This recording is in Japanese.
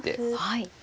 はい。